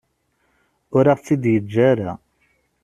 Ur aɣ-tt-id-yeǧǧa ara.